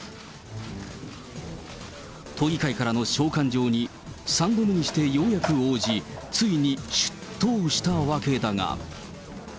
都議会からの召喚状に３度目にしてようやく応じ、ついに出頭したわけだが。